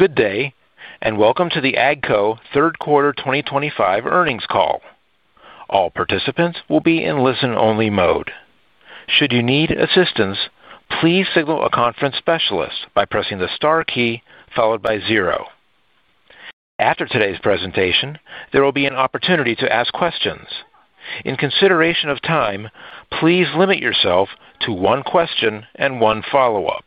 Good day, and welcome to the AGCO third quarter 2025 earnings call. All participants will be in listen-only mode. Should you need assistance, please signal a conference specialist by pressing the star key followed by zero. After today's presentation, there will be an opportunity to ask questions. In consideration of time, please limit yourself to one question and one follow-up.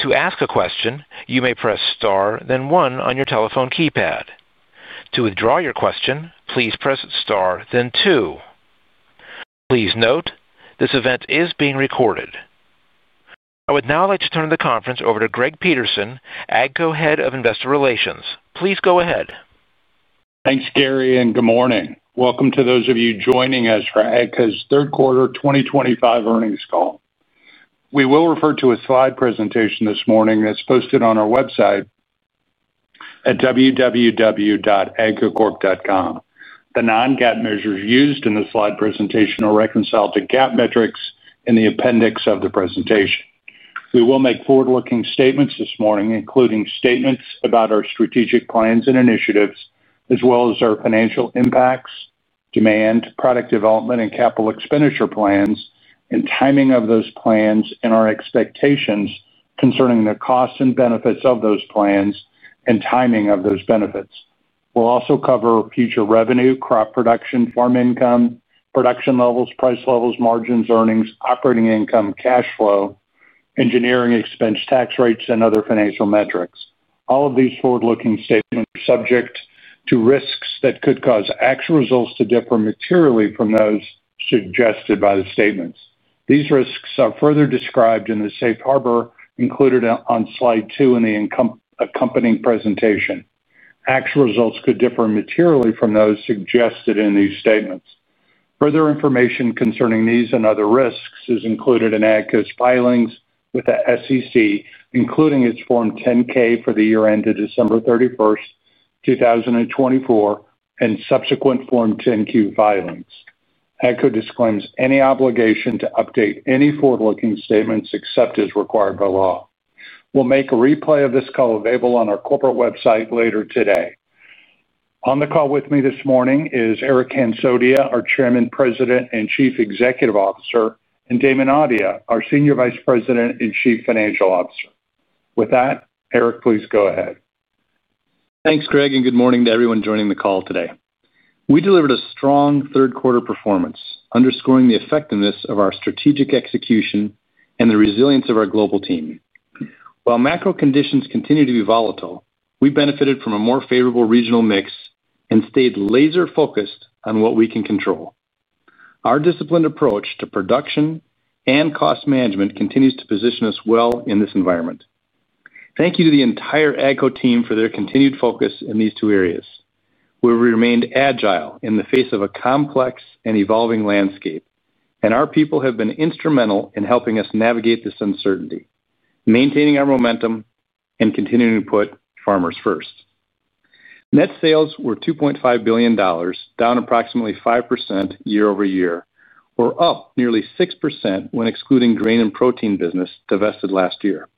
To ask a question, you may press star, then one on your telephone keypad. To withdraw your question, please press star, then two. Please note, this event is being recorded. I would now like to turn the conference over to Greg Peterson, AGCO Head of Investor Relations. Please go ahead. Thanks, Gary, and good morning. Welcome to those of you joining us for AGCO's third quarter 2025 earnings call. We will refer to a slide presentation this morning that's posted on our website at www.agcocorp.com. The non-GAAP measures used in the slide presentation are reconciled to GAAP metrics in the appendix of the presentation. We will make forward-looking statements this morning, including statements about our strategic plans and initiatives, as well as our financial impacts, demand, product development, and capital expenditure plans, and timing of those plans, and our expectations concerning the costs and benefits of those plans and timing of those benefits. We'll also cover future revenue, crop production, farm income, production levels, price levels, margins, earnings, operating income, cash flow, engineering expense, tax rates, and other financial metrics. All of these forward-looking statements are subject to risks that could cause actual results to differ materially from those suggested by the statements. These risks are further described in the safe harbor included on slide two in the accompanying presentation. Actual results could differ materially from those suggested in these statements. Further information concerning these and other risks is included in AGCO's filings with the SEC, including its Form 10-K for the year ended December 31st, 2024, and subsequent Form 10-Q filings. AGCO disclaims any obligation to update any forward-looking statements except as required by law. We'll make a replay of this call available on our corporate website later today. On the call with me this morning is Eric Hansotia, our Chairman, President, and Chief Executive Officer, and Damon Audia, our Senior Vice President and Chief Financial Officer. With that, Eric, please go ahead. Thanks, Greg, and good morning to everyone joining the call today. We delivered a strong third-quarter performance, underscoring the effectiveness of our strategic execution and the resilience of our global team. While macro conditions continue to be volatile, we benefited from a more favorable regional mix and stayed laser-focused on what we can control. Our disciplined approach to production and cost management continues to position us well in this environment. Thank you to the entire AGCO team for their continued focus in these two areas. We remained agile in the face of a complex and evolving landscape, and our people have been instrumental in helping us navigate this uncertainty, maintaining our momentum, and continuing to put farmers first. Net sales were $2.5 billion, down approximately 5% year-over-year, or up nearly 6% when excluding divested Grain & Protein business last year.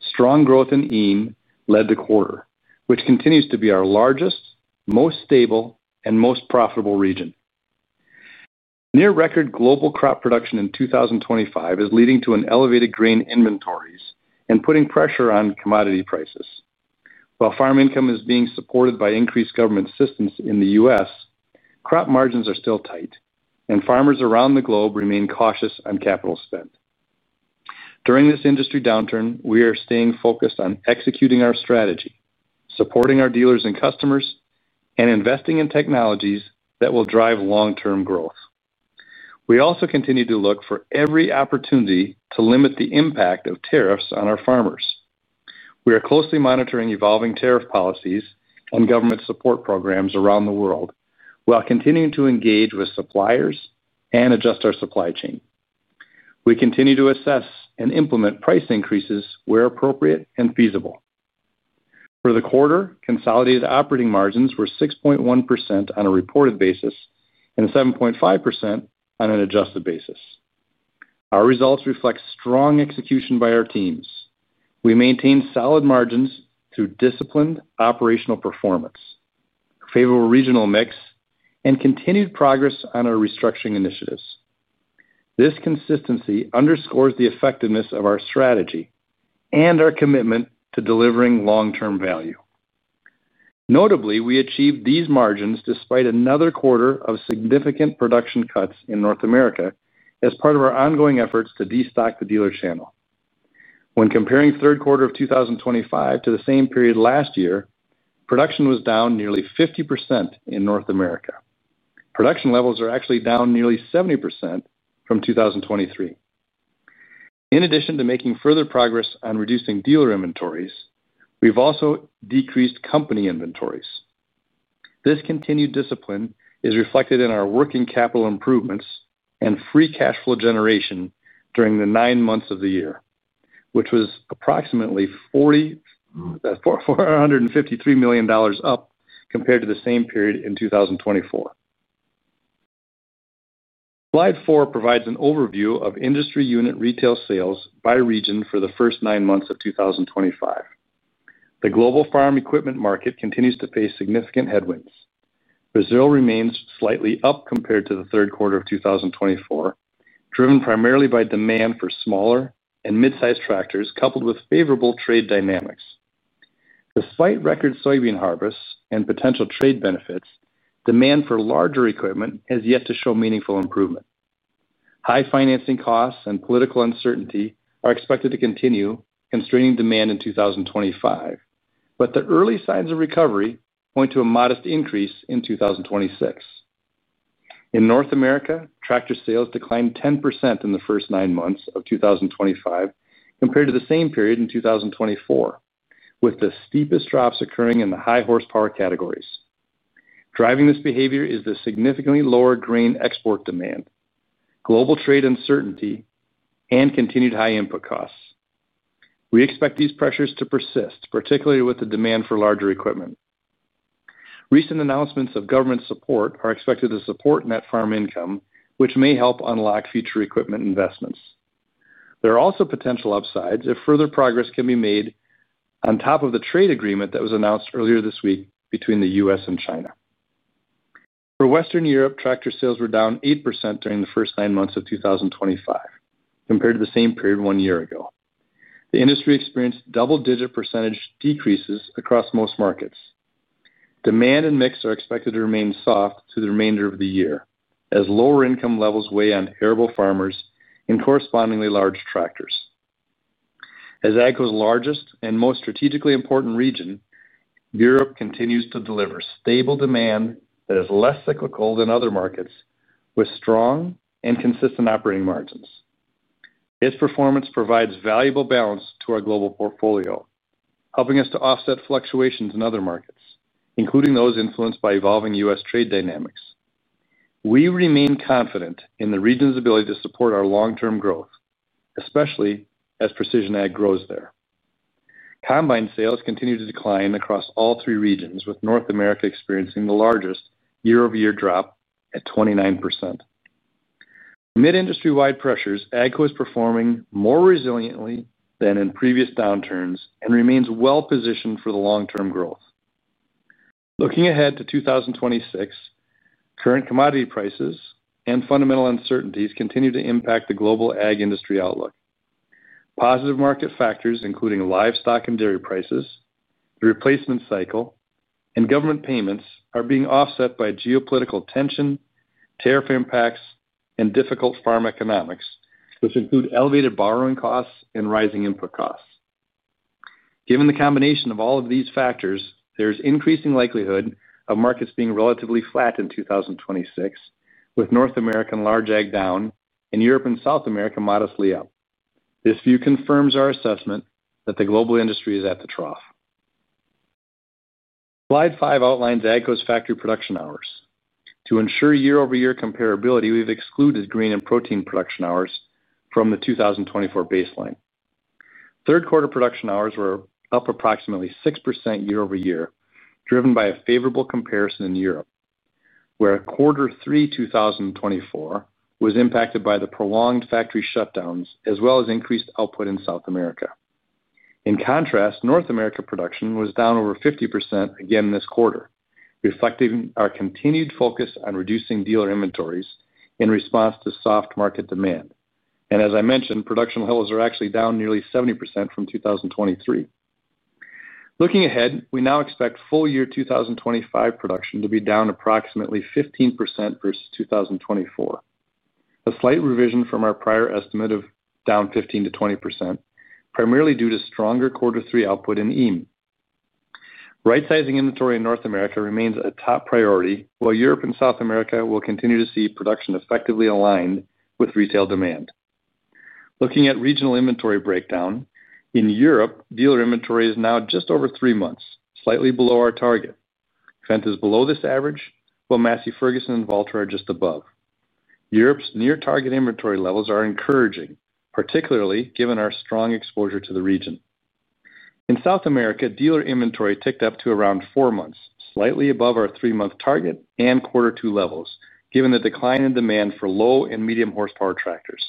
Strong growth in EAME led the quarter, which continues to be our largest, most stable, and most profitable region. Near-record global crop production in 2025 is leading to elevated grain inventories and putting pressure on commodity prices. While farm income is being supported by increased government assistance in the U.S., crop margins are still tight, and farmers around the globe remain cautious on capital spend. During this industry downturn, we are staying focused on executing our strategy, supporting our dealers and customers, and investing in technologies that will drive long-term growth. We also continue to look for every opportunity to limit the impact of tariffs on our farmers. We are closely monitoring evolving tariff policies and government support programs around the world while continuing to engage with suppliers and adjust our supply chain. We continue to assess and implement price increases where appropriate and feasible. For the quarter, consolidated operating margins were 6.1% on a reported basis and 7.5% on an adjusted basis. Our results reflect strong execution by our teams. We maintain solid margins through disciplined operational performance, a favorable regional mix, and continued progress on our restructuring initiatives. This consistency underscores the effectiveness of our strategy and our commitment to delivering long-term value. Notably, we achieved these margins despite another quarter of significant production cuts in North America as part of our ongoing efforts to destock the dealer channel. When comparing third quarter of 2025 to the same period last year, production was down nearly 50% in North America. Production levels are actually down nearly 70% from 2023. In addition to making further progress on reducing dealer inventories, we've also decreased company inventories. This continued discipline is reflected in our working capital improvements and free cash flow generation during the nine months of the year, which was approximately $453 million up compared to the same period in 2024. Slide four provides an overview of industry unit retail sales by region for the first nine months of 2025. The global farm equipment market continues to face significant headwinds. Brazil remains slightly up compared to the third quarter of 2024, driven primarily by demand for smaller and mid-sized tractors coupled with favorable trade dynamics. Despite record soybean harvests and potential trade benefits, demand for larger equipment has yet to show meaningful improvement. High financing costs and political uncertainty are expected to continue, constraining demand in 2025, but the early signs of recovery point to a modest increase in 2026. In North America, tractor sales declined 10% in the first nine months of 2025 compared to the same period in 2024, with the steepest drops occurring in the high-horsepower categories. Driving this behavior is the significantly lower grain export demand, global trade uncertainty, and continued high input costs. We expect these pressures to persist, particularly with the demand for larger equipment. Recent announcements of government support are expected to support net farm income, which may help unlock future equipment investments. There are also potential upsides if further progress can be made on top of the trade agreement that was announced earlier this week between the U.S. and China. For Western Europe, tractor sales were down 8% during the first nine months of 2025 compared to the same period one year ago. The industry experienced double-digit percentage decreases across most markets. Demand and mix are expected to remain soft through the remainder of the year as lower income levels weigh on arable farmers and correspondingly large tractors. As AGCO's largest and most strategically important region, Europe continues to deliver stable demand that is less cyclical than other markets, with strong and consistent operating margins. Its performance provides valuable balance to our global portfolio, helping us to offset fluctuations in other markets, including those influenced by evolving U.S. trade dynamics. We remain confident in the region's ability to support our long-term growth, especially as precision ag grows there. Combine sales continue to decline across all three regions, with North America experiencing the largest year-over-year drop at 29%. Amid industry-wide pressures, AGCO is performing more resiliently than in previous downturns and remains well-positioned for the long-term growth. Looking ahead to 2026, current commodity prices and fundamental uncertainties continue to impact the global ag industry outlook. Positive market factors, including livestock and dairy prices, the replacement cycle, and government payments, are being offset by geopolitical tension, tariff impacts, and difficult farm economics, which include elevated borrowing costs and rising input costs. Given the combination of all of these factors, there is increasing likelihood of markets being relatively flat in 2026, with North America and large ag down and Europe and South America modestly up. This view confirms our assessment that the global industry is at the trough. Slide five outlines AGCO's factory production hours. To ensure year-over-year comparability, we've excluded Grain & Protein production hours from the 2024 baseline. Third-quarter production hours were up approximately 6% year-over-year, driven by a favorable comparison in Europe, where quarter three 2024 was impacted by the prolonged factory shutdowns as well as increased output in South America. In contrast, North America production was down over 50% again this quarter, reflecting our continued focus on reducing dealer inventories in response to soft market demand. Production levels are actually down nearly 70% from 2023. Looking ahead, we now expect full year 2025 production to be down approximately 15% versus 2024, a slight revision from our prior estimate of down 15%-20%, primarily due to stronger quarter three output in EAME. Right-sizing inventory in North America remains a top priority, while Europe and South America will continue to see production effectively aligned with retail demand. Looking at regional inventory breakdown, in Europe, dealer inventory is now just over three months, slightly below our target. Fendt is below this average, while Massey Ferguson and Valtra are just above. Europe's near-target inventory levels are encouraging, particularly given our strong exposure to the region. In South America, dealer inventory ticked up to around four months, slightly above our three-month target and quarter two levels, given the decline in demand for low and medium-horsepower tractors.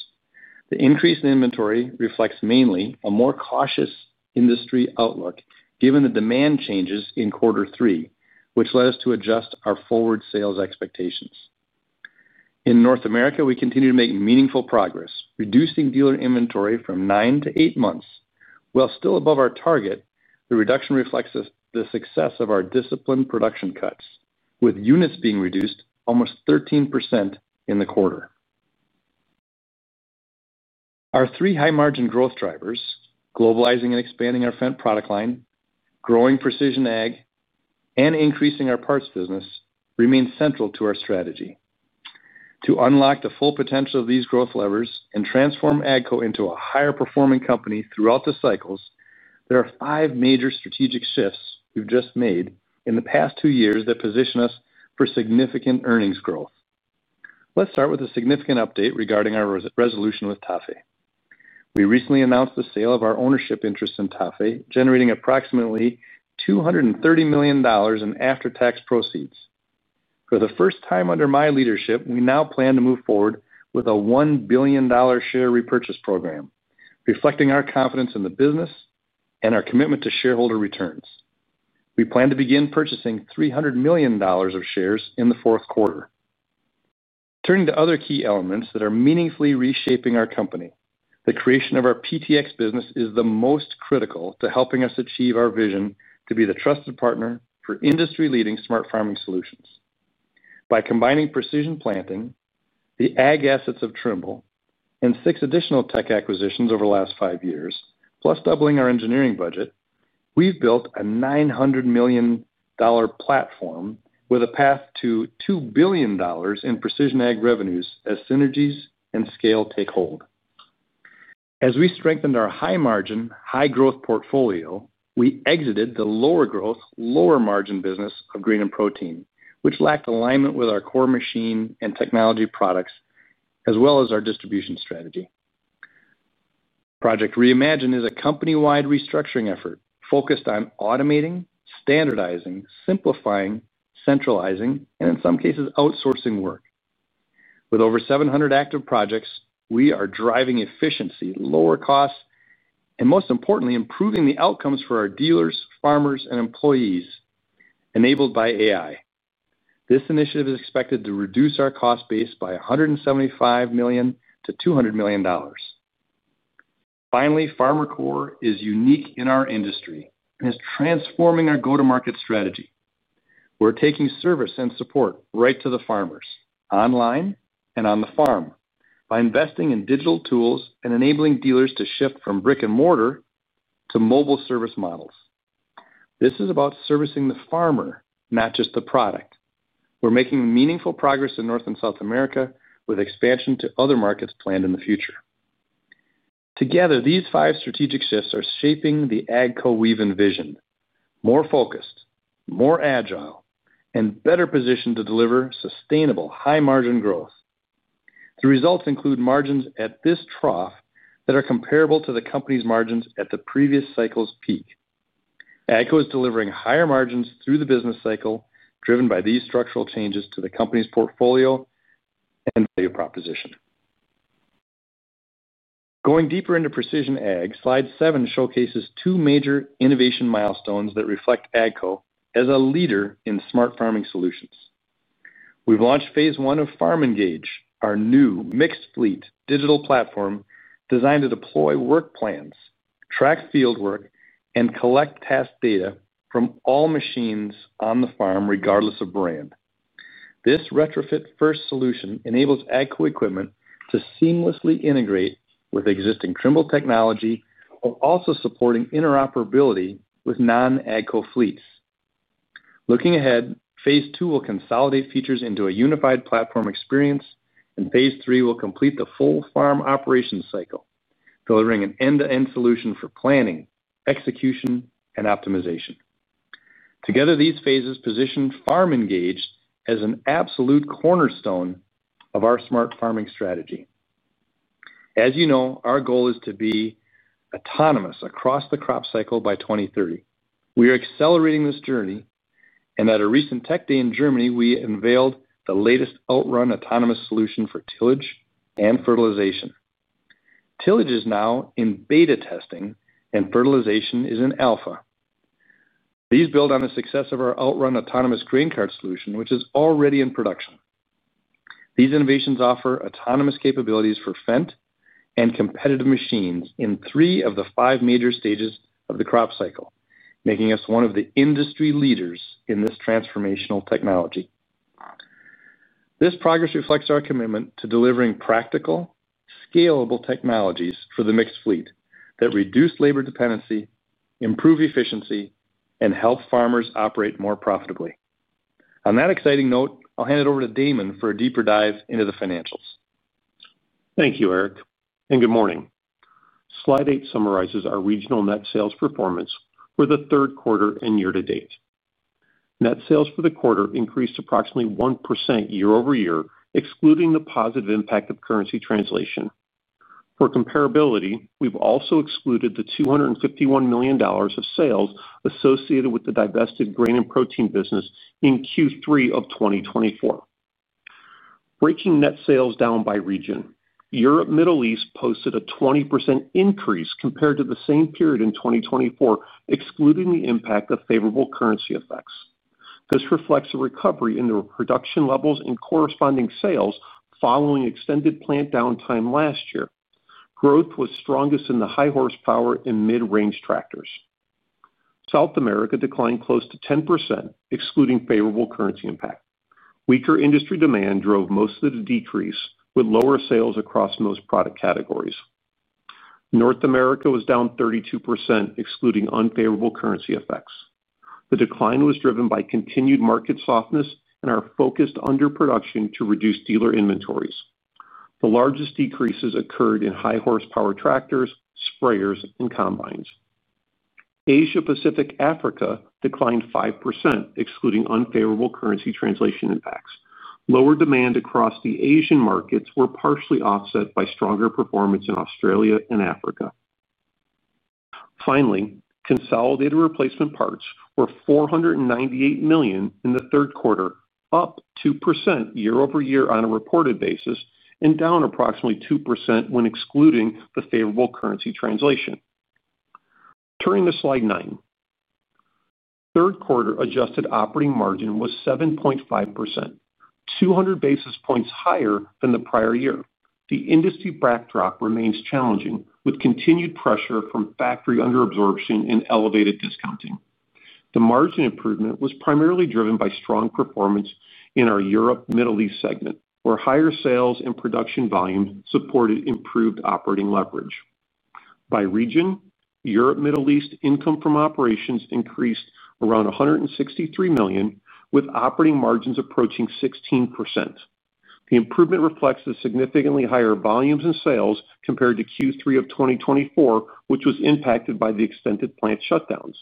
The increase in inventory reflects mainly a more cautious industry outlook, given the demand changes in quarter three, which led us to adjust our forward sales expectations. In North America, we continue to make meaningful progress, reducing dealer inventory from nine to eight months. While still above our target, the reduction reflects the success of our disciplined production cuts, with units being reduced almost 13% in the quarter. Our three high-margin growth drivers, globalizing and expanding our Fendt product line, growing precision ag, and increasing our parts business, remain central to our strategy. To unlock the full potential of these growth levers and transform AGCO into a higher-performing company throughout the cycles, there are five major strategic shifts we've just made in the past two years that position us for significant earnings growth. Let's start with a significant update regarding our resolution with TAFE. We recently announced the sale of our ownership interest in TAFE, generating approximately $230 million in after-tax proceeds. For the first time under my leadership, we now plan to move forward with a $1 billion share repurchase program, reflecting our confidence in the business and our commitment to shareholder returns. We plan to begin purchasing $300 million of shares in the fourth quarter. Turning to other key elements that are meaningfully reshaping our company, the creation of our PTx business is the most critical to helping us achieve our vision to be the trusted partner for industry-leading smart farming solutions. By combining Precision Planting, the ag assets of Trimble, and six additional tech acquisitions over the last five years, plus doubling our engineering budget, we've built a $900 million platform with a path to $2 billion in precision ag revenues as synergies and scale take hold. As we strengthened our high-margin, high-growth portfolio, we exited the lower-growth, lower-margin business of Grain & Protein, which lacked alignment with our core machine and technology products, as well as our distribution strategy. Project Reimagine is a company-wide restructuring effort focused on automating, standardizing, simplifying, centralizing, and in some cases, outsourcing work. With over 700 active projects, we are driving efficiency, lower costs, and most importantly, improving the outcomes for our dealers, farmers, and employees enabled by AI. This initiative is expected to reduce our cost base by $175 million-$200 million. Finally, FarmerCore is unique in our industry and is transforming our go-to-market strategy. We're taking service and support right to the farmers, online and on the farm, by investing in digital tools and enabling dealers to shift from brick-and-mortar to mobile service models. This is about servicing the farmer, not just the product. We're making meaningful progress in North and South America with expansion to other markets planned in the future. Together, these five strategic shifts are shaping the AGCO [we've envisioned]: more focused, more agile, and better positioned to deliver sustainable high-margin growth. The results include margins at this trough that are comparable to the company's margins at the previous cycle's peak. AGCO is delivering higher margins through the business cycle, driven by these structural changes to the company's portfolio and value proposition. Going deeper into precision agriculture, slide seven showcases two major innovation milestones that reflect AGCO as a leader in smart farming solutions. We've launched phase one of FarmENGAGE, our new mixed-fleet digital platform designed to deploy work plans, track fieldwork, and collect task data from all machines on the farm, regardless of brand. This retrofit-first solution enables AGCO equipment to seamlessly integrate with existing Trimble technology while also supporting interoperability with non-AGCO fleets. Looking ahead, phase two will consolidate features into a unified platform experience, and phase three will complete the full farm operation cycle, delivering an end-to-end solution for planning, execution, and optimization. Together, these phases position FarmENGAGE as an absolute cornerstone of our smart farming strategy. As you know, our goal is to be autonomous across the crop cycle by 2030. We are accelerating this journey, and at a recent tech day in Germany, we unveiled the latest OutRun autonomous solution for tillage and fertilization. Tillage is now in beta testing, and fertilization is in alpha. These build on the success of our OutRun autonomous grain cart solution, which is already in production. These innovations offer autonomous capabilities for Fendt and competitive machines in three of the five major stages of the crop cycle, making us one of the industry leaders in this transformational technology. This progress reflects our commitment to delivering practical, scalable technologies for the mixed fleet that reduce labor dependency, improve efficiency, and help farmers operate more profitably. On that exciting note, I'll hand it over to Damon for a deeper dive into the financials. Thank you, Eric. And good morning. Slide eight summarizes our regional net sales performance for the third quarter and year to date. Net sales for the quarter increased approximately 1% year-over-year, excluding the positive impact of currency translation. For comparability, we've also excluded the $251 million of sales associated with the divested Grain & Protein business in Q3 of 2024. Breaking net sales down by region, Europe, Middle East posted a 20% increase compared to the same period in 2024, excluding the impact of favorable currency effects. This reflects a recovery in the production levels and corresponding sales following extended plant downtime last year. Growth was strongest in the high-horsepower and mid-range tractors. South America declined close to 10%, excluding favorable currency impact. Weaker industry demand drove most of the decrease, with lower sales across most product categories. North America was down 32%, excluding unfavorable currency effects. The decline was driven by continued market softness and our focused underproduction to reduce dealer inventories. The largest decreases occurred in high-horsepower tractors, sprayers, and combine. Asia-Pacific Africa declined 5%, excluding unfavorable currency translation impacts. Lower demand across the Asian markets was partially offset by stronger performance in Australia and Africa. Finally, consolidated replacement parts were $498 million in the third quarter, up 2% year-over-year on a reported basis and down approximately 2% when excluding the favorable currency translation. Turning to slide nine. Third-quarter adjusted operating margin was 7.5%, 200 basis points higher than the prior year. The industry backdrop remains challenging, with continued pressure from factory underabsorption and elevated discounting. The margin improvement was primarily driven by strong performance in our Europe, Middle East segment, where higher sales and production volume supported improved operating leverage. By region, Europe, Middle East income from operations increased around $163 million, with operating margins approaching 16%. The improvement reflects the significantly higher volumes and sales compared to Q3 of 2024, which was impacted by the extended plant shutdowns.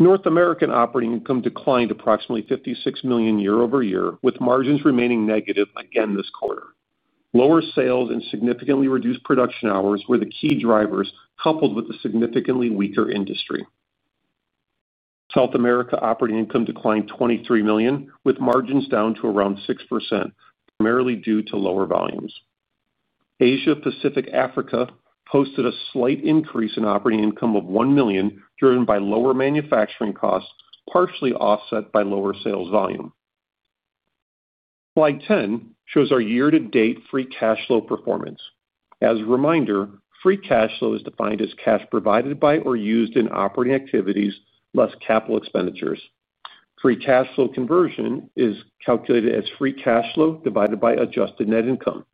North American operating income declined approximately $56 million year-over-year, with margins remaining negative again this quarter. Lower sales and significantly reduced production hours were the key drivers, coupled with the significantly weaker industry. South America operating income declined $23 million, with margins down to around 6%, primarily due to lower volumes. Asia-Pacific Africa posted a slight increase in operating income of $1 million, driven by lower manufacturing costs, partially offset by lower sales volume. Slide 10 shows our year-to-date free cash flow performance. As a reminder, free cash flow is defined as cash provided by or used in operating activities less capital expenditures. Free cash flow conversion is calculated as free cash flow divided by adjusted net income.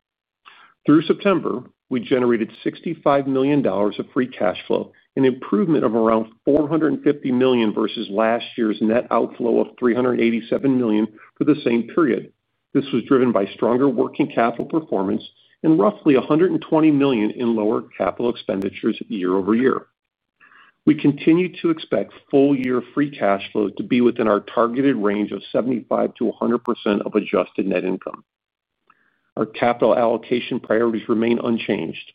Through September, we generated $65 million of free cash flow, an improvement of around $450 million versus last year's net outflow of $387 million for the same period. This was driven by stronger working capital performance and roughly $120 million in lower capital expenditures year-over-year. We continue to expect full-year free cash flow to be within our targeted range of 75%-100% of adjusted net income. Our capital allocation priorities remain unchanged: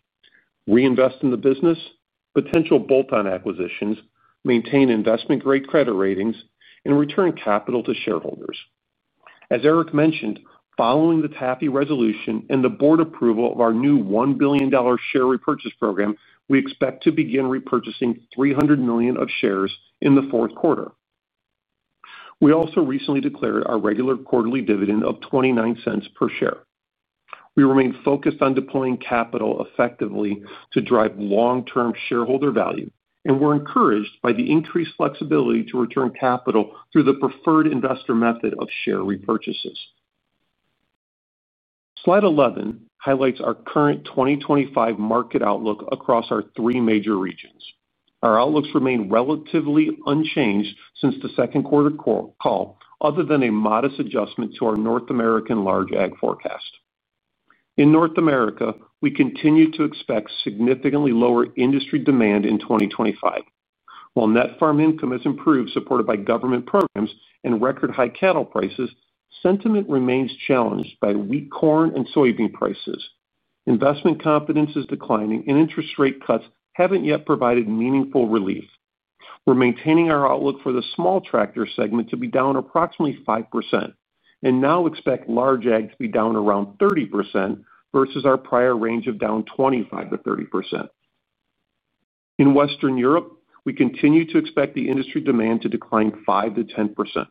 reinvest in the business, potential bolt-on acquisitions, maintain investment-grade credit ratings, and return capital to shareholders. As Eric mentioned, following the TAFE resolution and the board approval of our new $1 billion share repurchase program, we expect to begin repurchasing $300 million of shares in the fourth quarter. We also recently declared our regular quarterly dividend of $0.29 per share. We remain focused on deploying capital effectively to drive long-term shareholder value, and we're encouraged by the increased flexibility to return capital through the preferred investor method of share repurchases. Slide 11 highlights our current 2025 market outlook across our three major regions. Our outlooks remain relatively unchanged since the second quarter call, other than a modest adjustment to our North American large ag forecast. In North America, we continue to expect significantly lower industry demand in 2025. While net farm income has improved, supported by government programs and record-high cattle prices, sentiment remains challenged by wheat, corn, and soybean prices. Investment confidence is declining, and interest rate cuts haven't yet provided meaningful relief. We're maintaining our outlook for the small tractor segment to be down approximately 5%, and now expect large ag to be down around 30% versus our prior range of down 25%-30%. In Western Europe, we continue to expect the industry demand to decline 5%-10%.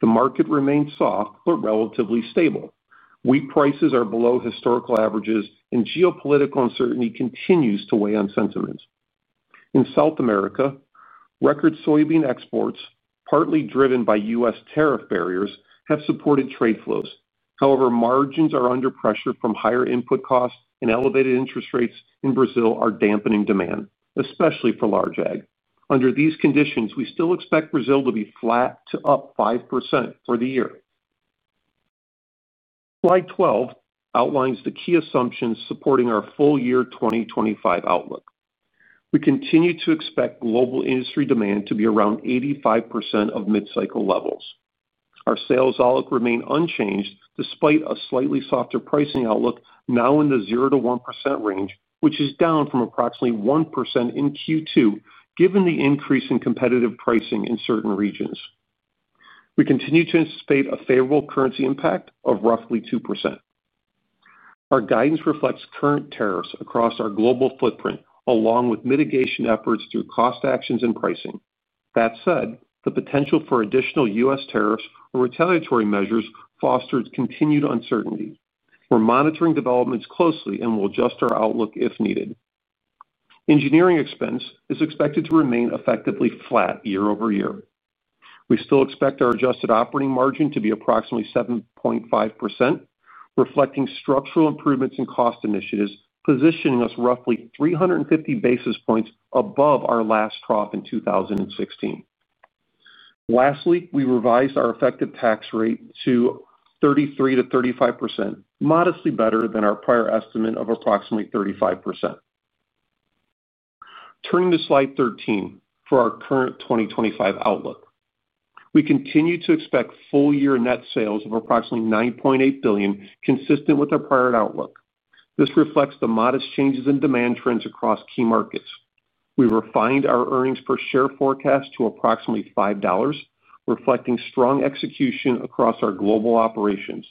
The market remains soft but relatively stable. Wheat prices are below historical averages, and geopolitical uncertainty continues to weigh on sentiment. In South America, record soybean exports, partly driven by U.S. tariff barriers, have supported trade flows. However, margins are under pressure from higher input costs and elevated interest rates in Brazil are dampening demand, especially for large ag. Under these conditions, we still expect Brazil to be flat to up 5% for the year. Slide 12 outlines the key assumptions supporting our full-year 2025 outlook. We continue to expect global industry demand to be around 85% of mid-cycle levels. Our sales outlook remains unchanged despite a slightly softer pricing outlook now in the 0%-1% range, which is down from approximately 1% in Q2, given the increase in competitive pricing in certain regions. We continue to anticipate a favorable currency impact of roughly 2%. Our guidance reflects current tariffs across our global footprint, along with mitigation efforts through cost actions and pricing. That said, the potential for additional U.S. tariffs or retaliatory measures fosters continued uncertainty. We're monitoring developments closely and will adjust our outlook if needed. Engineering expense is expected to remain effectively flat year-over-year. We still expect our adjusted operating margin to be approximately 7.5%, reflecting structural improvements in cost initiatives, positioning us roughly 350 basis points above our last trough in 2016. Lastly, we revised our effective tax rate to 33%-35%, modestly better than our prior estimate of approximately 35%. Turning to slide 13 for our current 2025 outlook. We continue to expect full-year net sales of approximately $9.8 billion, consistent with our prior outlook. This reflects the modest changes in demand trends across key markets. We've refined our earnings per share forecast to approximately $5. Reflecting strong execution across our global operations,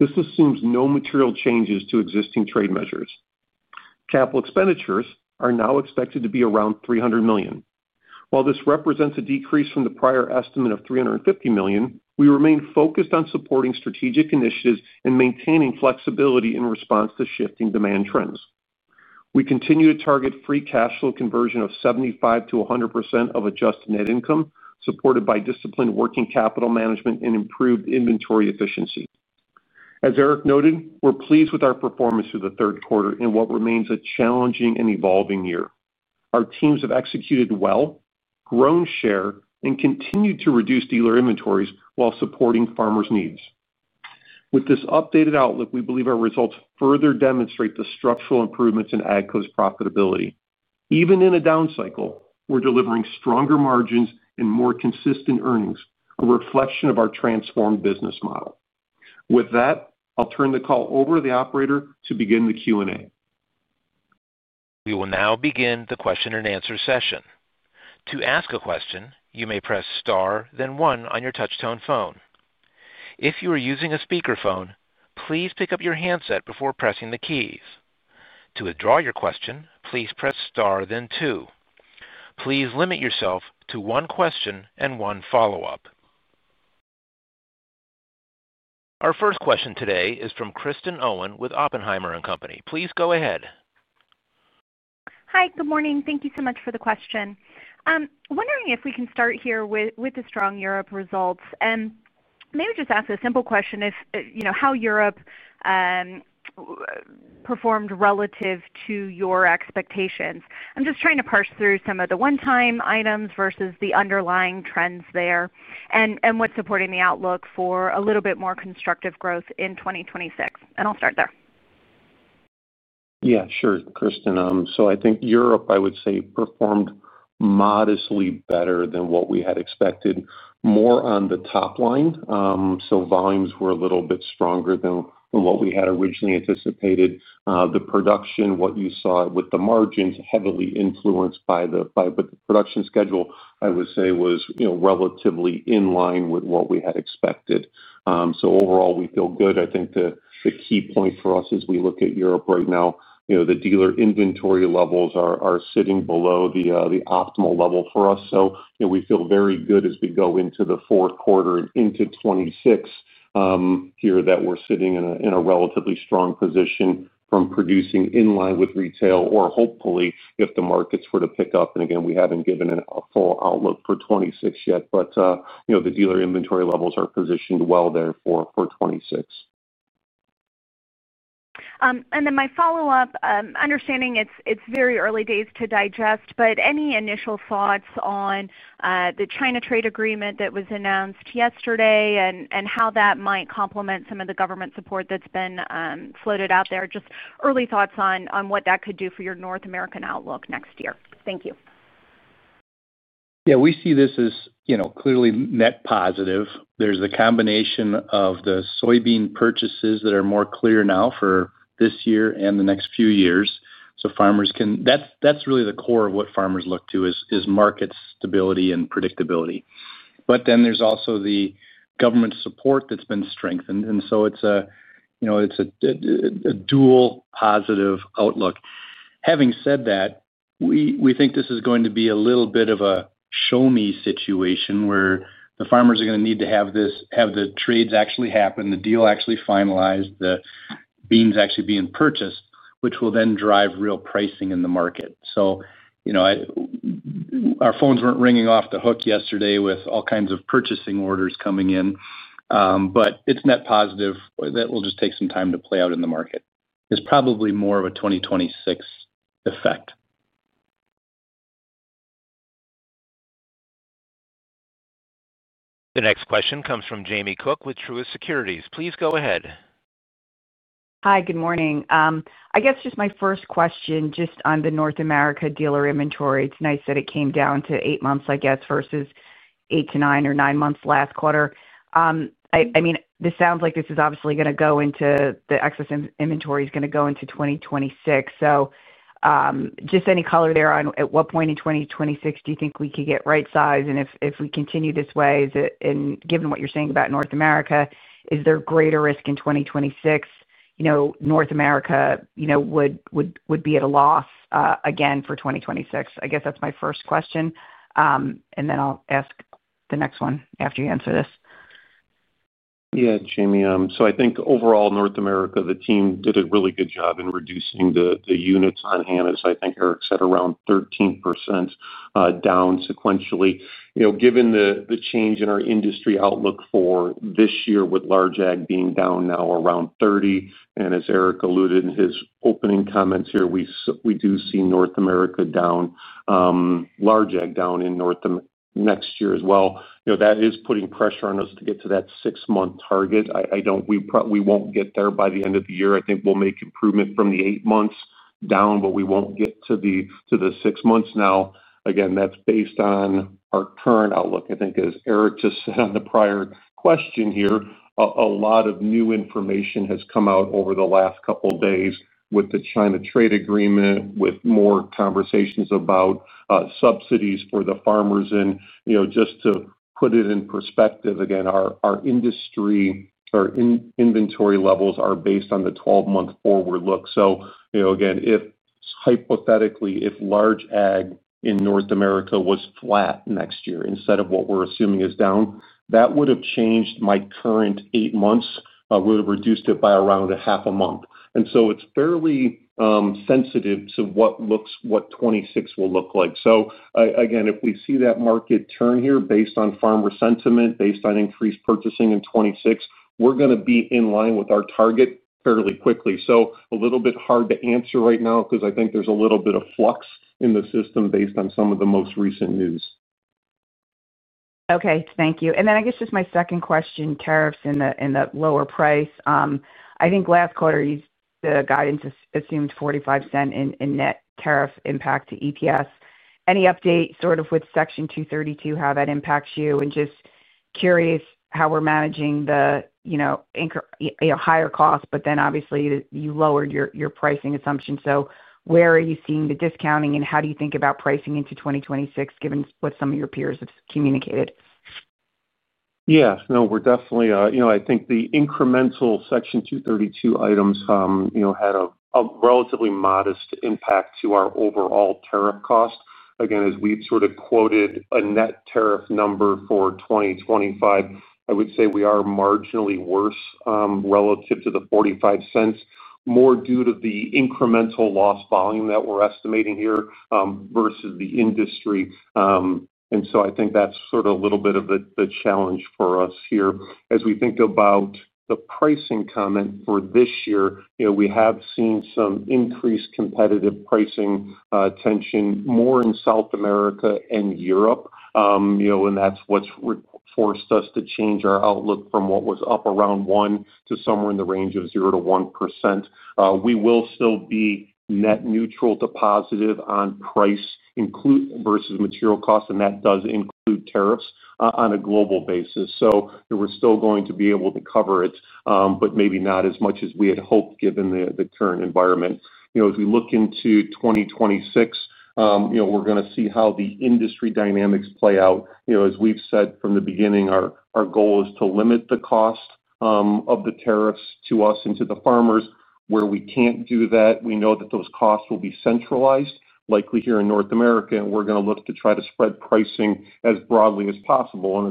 this assumes no material changes to existing trade measures. Capital expenditures are now expected to be around $300 million. While this represents a decrease from the prior estimate of $350 million, we remain focused on supporting strategic initiatives and maintaining flexibility in response to shifting demand trends. We continue to target free cash flow conversion of 75%-100% of adjusted net income, supported by disciplined working capital management and improved inventory efficiency. As Eric noted, we're pleased with our performance for the third quarter in what remains a challenging and evolving year. Our teams have executed well, grown share, and continued to reduce dealer inventories while supporting farmers' needs. With this updated outlook, we believe our results further demonstrate the structural improvements in AGCO's profitability. Even in a down cycle, we're delivering stronger margins and more consistent earnings, a reflection of our transformed business model. With that, I'll turn the call over to the operator to begin the Q&A. We will now begin the question-and-answer session. To ask a question, you may press star, then one on your touch-tone phone. If you are using a speakerphone, please pick up your handset before pressing the keys. To withdraw your question, please press star, then two. Please limit yourself to one question and one follow-up. Our first question today is from Kristen Owen with Oppenheimer & Company. Please go ahead. Hi, good morning. Thank you so much for the question. I'm wondering if we can start here with the strong Europe results. Maybe just ask a simple question: how Europe performed relative to your expectations? I'm just trying to parse through some of the one-time items versus the underlying trends there and what's supporting the outlook for a little bit more constructive growth in 2026. I'll start there. Yeah, sure, Kristen. I think Europe, I would say, performed modestly better than what we had expected, more on the top line. Volumes were a little bit stronger than what we had originally anticipated. The production, what you saw with the margins, heavily influenced by the production schedule, I would say, was relatively in line with what we had expected. Overall, we feel good. I think the key point for us as we look at Europe right now, the dealer inventory levels are sitting below the optimal level for us. We feel very good as we go into the fourth quarter and into 2026. Here, we're sitting in a relatively strong position from producing in line with retail or hopefully if the markets were to pick up. We haven't given a full outlook for 2026 yet, but the dealer inventory levels are positioned well there for 2026. My follow-up, understanding it's very early days to digest, but any initial thoughts on the China trade agreement that was announced yesterday and how that might complement some of the government support that's been floated out there? Just early thoughts on what that could do for your North American outlook next year. Thank you. Yeah, we see this as clearly net positive. There's the combination of the soybean purchases that are more clear now for this year and the next few years. Farmers can—that's really the core of what farmers look to, is market stability and predictability. There's also the government support that's been strengthened. It's a dual positive outlook. Having said that, we think this is going to be a little bit of a show-me situation where the farmers are going to need to have the trades actually happen, the deal actually finalized, the beans actually being purchased, which will then drive real pricing in the market. Our phones weren't ringing off the hook yesterday with all kinds of purchasing orders coming in. It's net positive that it will just take some time to play out in the market. It's probably more of a 2026 effect. The next question comes from Jamie Cook with Truist Securities. Please go ahead. Hi, good morning. I guess just my first question just on the North America dealer inventory. It's nice that it came down to eight months, I guess, versus eight to nine or nine months last quarter. This sounds like this is obviously going to go into the excess inventory is going to go into 2026. Just any color there on at what point in 2026 do you think we could get right size? If we continue this way, given what you're saying about North America, is there greater risk in 2026 North America would be at a loss again for 2026? I guess that's my first question. I'll ask the next one after you answer this. Yeah, Jamie. I think overall, North America, the team did a really good job in reducing the units on hand. As I think Eric said, around 13% down sequentially. Given the change in our industry outlook for this year, with large ag being down now around 30%. As Eric alluded in his opening comments here, we do see North America down, large ag down in next year as well. That is putting pressure on us to get to that six-month target. We won't get there by the end of the year. I think we'll make improvement from the eight months down, but we won't get to the six months now. That's based on our current outlook. I think, as Eric just said on the prior question here, a lot of new information has come out over the last couple of days with the China trade agreement, with more conversations about subsidies for the farmers. Just to put it in perspective, our inventory levels are based on the 12-month forward look. Hypothetically, if large ag in North America was flat next year instead of what we're assuming is down, that would have changed my current eight months. I would have reduced it by around a half a month. It's fairly sensitive to what 2026 will look like. If we see that market turn here based on farmer sentiment, based on increased purchasing in 2026, we're going to be in line with our target fairly quickly. It's a little bit hard to answer right now because I think there's a little bit of flux in the system based on some of the most recent news. Okay, thank you. I guess just my second question, tariffs and the lower price. I think last quarter, the guidance assumed $0.45 in net tariff impact to EPS. Any update with Section 232, how that impacts you? I'm curious how we're managing the higher cost, but then obviously you lowered your pricing assumption. Where are you seeing the discounting and how do you think about pricing into 2026, given what some of your peers have communicated? Yeah, we're definitely—I think the incremental Section 232 items had a relatively modest impact to our overall tariff cost. As we've quoted a net tariff number for 2025, I would say we are marginally worse relative to the $0.45, more due to the incremental loss volume that we're estimating here versus the industry. I think that's a little bit of the challenge for us here. As we think about the pricing comment for this year, we have seen some increased competitive pricing tension more in South America and Europe. That's what's forced us to change our outlook from what was up around 1% to somewhere in the range of 0%-1%. We will still be net neutral to positive on price versus material costs, and that does include tariffs on a global basis. We're still going to be able to cover it, but maybe not as much as we had hoped given the current environment. As we look into 2026, we're going to see how the industry dynamics play out. As we've said from the beginning, our goal is to limit the cost of the tariffs to us and to the farmers. Where we can't do that, we know that those costs will be centralized, likely here in North America, and we're going to look to try to spread pricing as broadly as possible.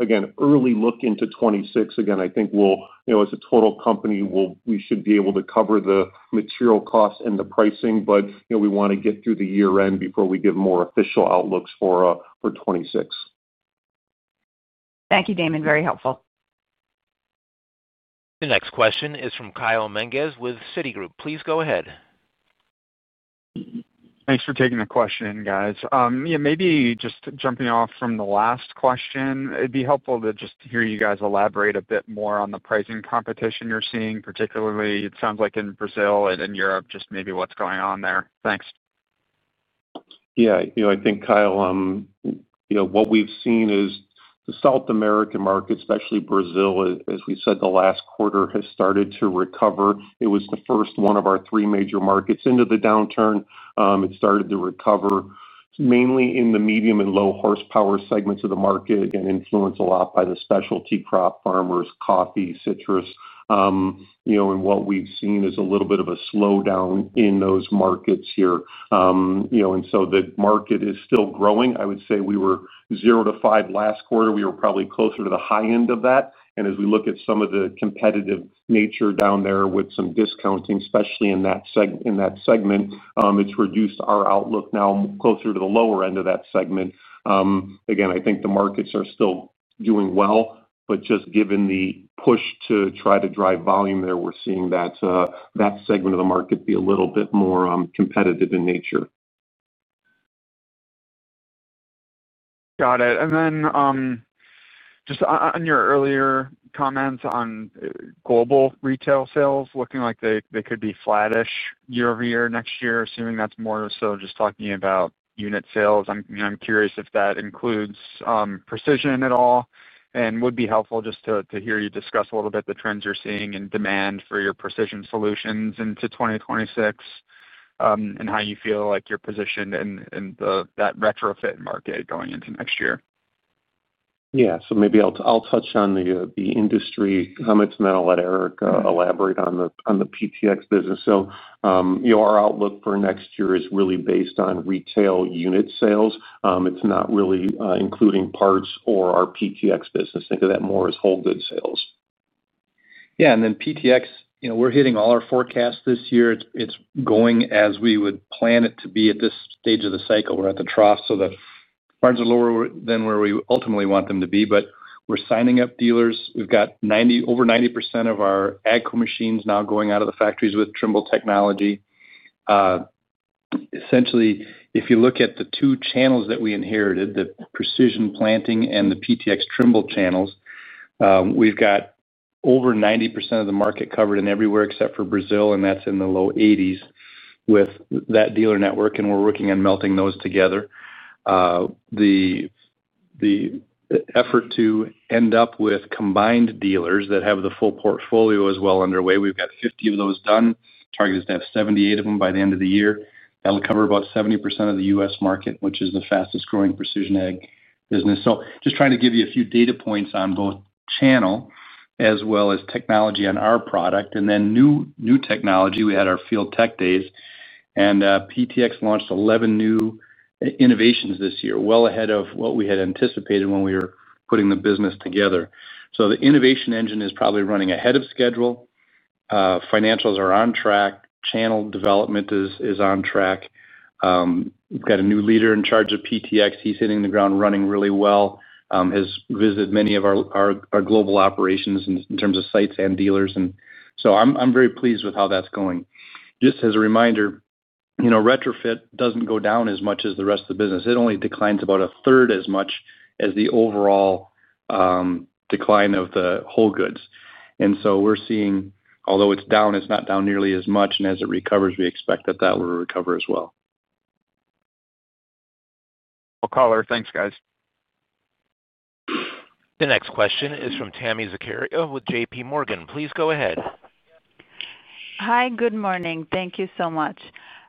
Again, early look into 2026, I think as a total company, we should be able to cover the material costs and the pricing, but we want to get through the year-end before we give more official outlooks for 2026. Thank you, Damon. Very helpful. The next question is from Kyle Menges with Citigroup. Please go ahead. Thanks for taking the question, guys. Maybe just jumping off from the last question, it'd be helpful to just hear you guys elaborate a bit more on the pricing competition you're seeing, particularly it sounds like in Brazil and in Europe, just maybe what's going on there. Thanks. Yeah, I think, Kyle, what we've seen is the South American market, especially Brazil, as we said, the last quarter has started to recover. It was the first one of our three major markets into the downturn. It started to recover mainly in the medium and low horsepower segments of the market and influenced a lot by the specialty crop farmers, coffee, citrus. What we've seen is a little bit of a slowdown in those markets here, and so the market is still growing. I would say we were 0%-5% last quarter. We were probably closer to the high end of that, and as we look at some of the competitive nature down there with some discounting, especially in that segment, it's reduced our outlook now closer to the lower end of that segment. I think the markets are still doing well, but just given the push to try to drive volume there, we're seeing that segment of the market be a little bit more competitive in nature. Got it. And then. Just on your earlier comments on global retail sales, looking like they could be flattish year over year next year, assuming that's more so just talking about unit sales. I'm curious if that includes precision at all, and would be helpful just to hear you discuss a little bit the trends you're seeing in demand for your precision solutions into 2026. How you feel like you're positioned in that retrofit market going into next year. Yeah, maybe I'll touch on the industry comments and then I'll let Eric elaborate on the PTx business. Our outlook for next year is really based on retail unit sales. It's not really including parts or our PTx business. Think of that more as whole goods sales. PTx, we're hitting all our forecasts this year. It's going as we would plan it to be at this stage of the cycle. We're at the trough, so the parts are lower than where we ultimately want them to be, but we're signing up dealers. We've got over 90% of our AGCO machines now going out of the factories with Trimble technology. Essentially, if you look at the two channels that we inherited, the Precision Planting and the PTx Trimble channels, we've got over 90% of the market covered in everywhere except for Brazil, and that's in the low 80s with that dealer network, and we're working on melting those together. The effort to end up with combined dealers that have the full portfolio is well underway. We've got 50% of those done. Target is to have 78% of them by the end of the year. That'll cover about 70% of the U.S. market, which is the fastest-growing precision ag business. Just trying to give you a few data points on both channel as well as technology on our product. New technology, we had our field tech days, and PTx launched 11 new innovations this year, well ahead of what we had anticipated when we were putting the business together. The innovation engine is probably running ahead of schedule. Financials are on track. Channel development is on track. We've got a new leader in charge of PTx. He's hitting the ground running really well. Has visited many of our global operations in terms of sites and dealers. I'm very pleased with how that's going. Just as a reminder, retrofit doesn't go down as much as the rest of the business. It only declines about a third as much as the overall decline of the whole goods. We're seeing, although it's down, it's not down nearly as much. As it recovers, we expect that will recover as well. Thanks, guys. The next question is from Tami Zakaria with JPMorgan. Please go ahead. Hi, good morning. Thank you so much.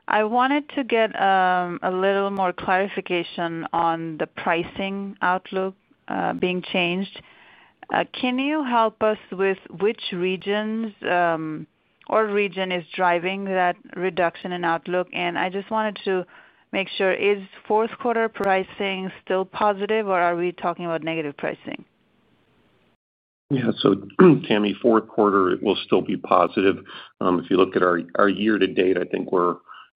I wanted to get a little more clarification on the pricing outlook being changed. Can you help us with which regions or region is driving that reduction in outlook? I just wanted to make sure, is fourth quarter pricing still positive, or are we talking about negative pricing? Yeah, so Tami, fourth quarter will still be positive. If you look at our year-to-date, I think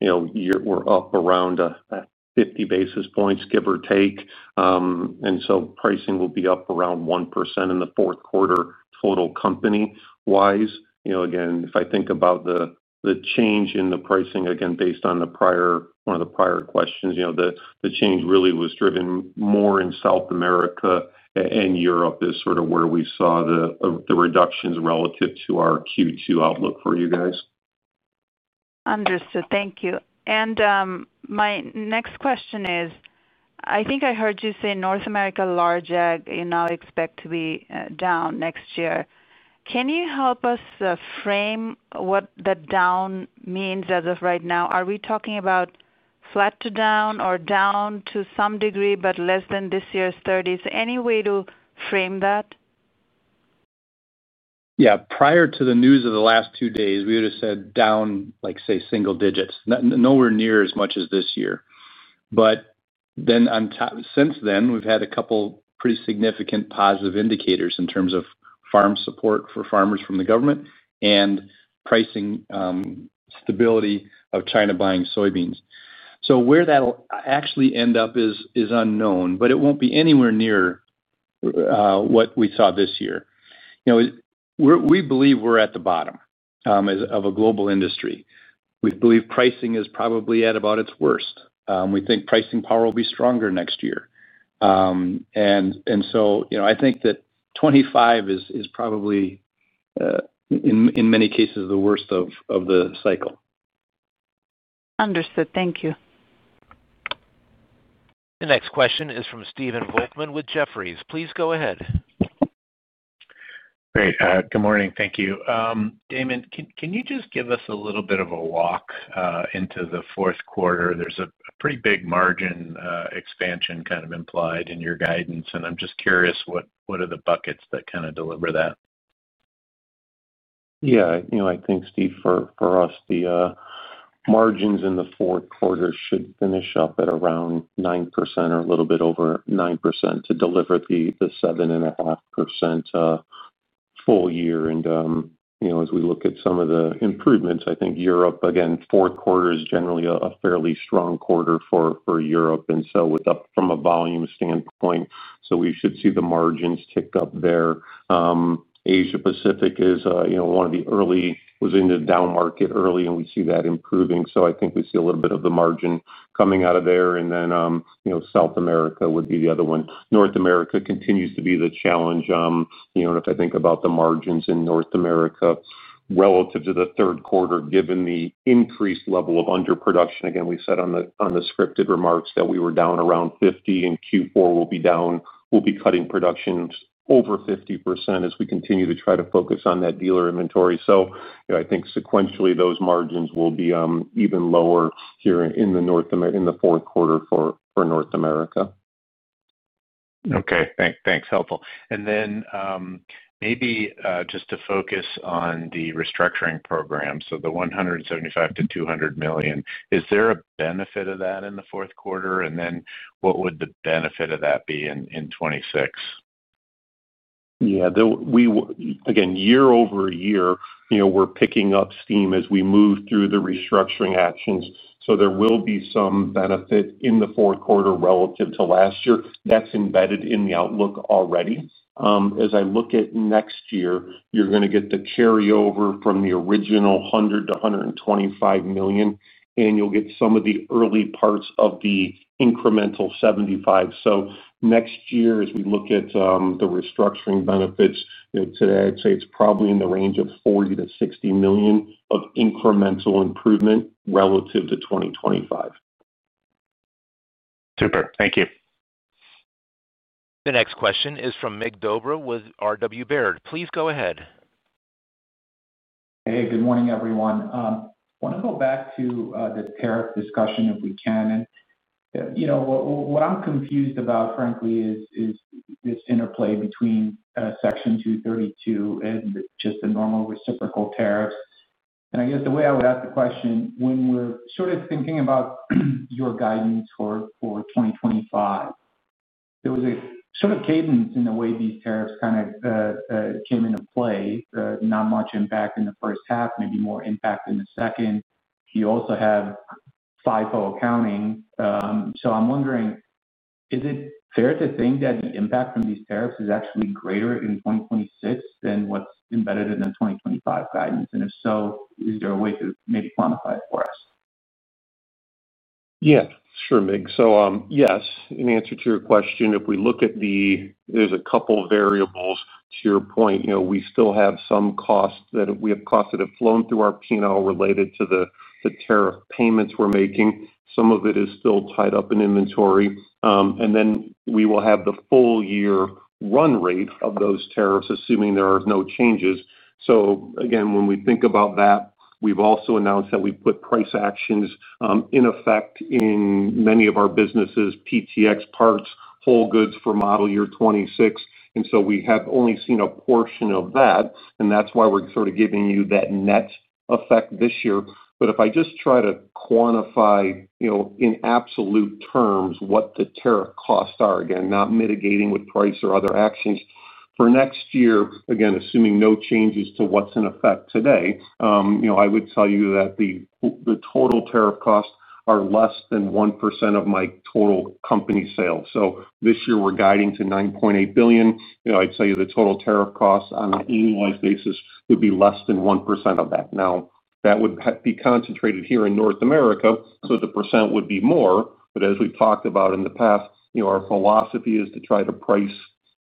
we're up around 50 basis points, give or take. Pricing will be up around 1% in the fourth quarter total company-wise. If I think about the change in the pricing, based on one of the prior questions, the change really was driven more in South America and Europe. This is where we saw the reductions relative to our Q2 outlook for you guys. Understood. Thank you. My next question is, I think I heard you say North America large ag expect to be down next year. Can you help us frame what the down means as of right now? Are we talking about flat to down or down to some degree, but less than this year's 30s? Any way to frame that? Yeah. Prior to the news of the last two days, we would have said down, say, single digits. Nowhere near as much as this year. Since then, we've had a couple of pretty significant positive indicators in terms of farm support for farmers from the government and pricing. Stability of China buying soybeans. Where that'll actually end up is unknown, but it won't be anywhere near what we saw this year. We believe we're at the bottom of a global industry. We believe pricing is probably at about its worst. We think pricing power will be stronger next year. I think that 2025 is probably, in many cases, the worst of the cycle. Understood. Thank you. The next question is from Stephen Volkmann with Jefferies. Please go ahead. Great. Good morning. Thank you. Damon, can you just give us a little bit of a walk into the fourth quarter? There's a pretty big margin expansion kind of implied in your guidance, and I'm just curious, what are the buckets that kind of deliver that? Yeah. I think, Steve, for us, the margins in the fourth quarter should finish up at around 9% or a little bit over 9% to deliver the 7.5% full year. As we look at some of the improvements, I think Europe, again, the fourth quarter is generally a fairly strong quarter for Europe from a volume standpoint, so we should see the margins tick up there. Asia-Pacific was in the down market early, and we see that improving. I think we see a little bit of the margin coming out of there. South America would be the other one. North America continues to be the challenge. If I think about the margins in North America relative to the third quarter, given the increased level of underproduction, again, we said on the scripted remarks that we were down around 50%, and Q4 will be down. We'll be cutting production over 50% as we continue to try to focus on that dealer inventory. I think sequentially, those margins will be even lower here in the fourth quarter for North America. Okay. Thanks. Helpful. Maybe just to focus on the restructuring program, so the $175 million-$200 million, is there a benefit of that in the fourth quarter? What would the benefit of that be in 2026? Yeah. Again, year-over-year, we're picking up steam as we move through the restructuring actions. There will be some benefit in the fourth quarter relative to last year. That's embedded in the outlook already. As I look at next year, you're going to get the carryover from the original $100 million-$125 million, and you'll get some of the early parts of the incremental $75 million. Next year, as we look at the restructuring benefits, today, I'd say it's probably in the range of $40 million-$60 million of incremental improvement relative to 2025. Super. Thank you. The next question is from Mig Dobre with RW Baird. Please go ahead. Hey, good morning, everyone. I want to go back to the tariff discussion if we can. What I'm confused about, frankly, is this interplay between Section 232 and just the normal reciprocal tariffs. I guess the way I would ask the question, when we're sort of thinking about your guidance for 2025, there was a sort of cadence in the way these tariffs kind of came into play, not much impact in the first half, maybe more impact in the second. You also have SIFO accounting. I'm wondering, is it fair to think that the impact from these tariffs is actually greater in 2026 than what's embedded in the 2025 guidance? If so, is there a way to maybe quantify it for us? Yeah. Sure, Mig. Yes, in answer to your question, if we look at the—there's a couple of variables. To your point, we still have some costs that have flown through our P&L related to the tariff payments we're making. Some of it is still tied up in inventory. We will have the full year run rate of those tariffs, assuming there are no changes. When we think about that, we've also announced that we've put price actions in effect in many of our businesses, PTx parts, whole goods for model year 2026. We have only seen a portion of that, and that's why we're sort of giving you that net effect this year. If I just try to quantify in absolute terms what the tariff costs are, again, not mitigating with price or other actions, for next year, assuming no changes to what's in effect today, I would tell you that the total tariff costs are less than 1% of my total company sales. This year, we're guiding to $9.8 billion. I'd tell you the total tariff costs on an annualized basis would be less than 1% of that. That would be concentrated here in North America, so the percent would be more. As we've talked about in the past, our philosophy is to try to price